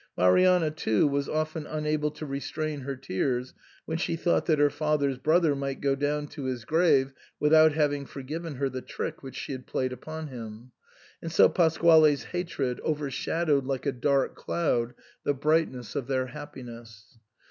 Marianna too was often unable to restrain her tears when she thought that her father's brother might go down to his grave without having forgiven her the trick which she had played upon him ; and so Pasquale's hatred overshadowed like a dark cloud the brightness of their happiness.